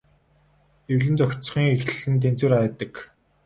Эвлэн зохицохын эхлэл нь тэнцвэр байдаг.